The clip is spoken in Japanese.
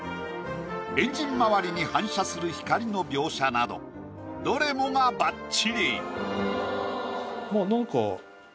エンジン周りに反射する光の描写などどれもがばっちり！